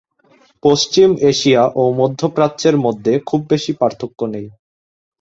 পশ্চিম Asia ও মধ্যপ্রাচ্যের মধ্যে খুব বেশি পার্থক্য নেই।